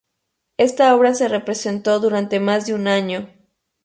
Esta obra se representó durante más de un año.